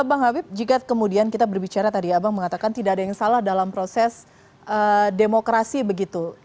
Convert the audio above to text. bang habib jika kemudian kita berbicara tadi abang mengatakan tidak ada yang salah dalam proses demokrasi begitu